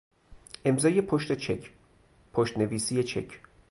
امضای پشت چک، پشت نویسی چک